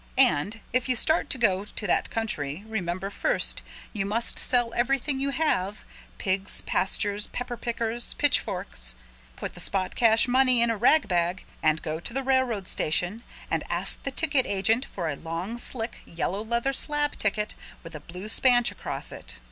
And if you start to go to that country remember first you must sell everything you have, pigs, pastures, pepper pickers, pitchforks, put the spot cash money in a ragbag and go to the railroad station and ask the ticket agent for a long slick yellow leather slab ticket with a blue spanch across it.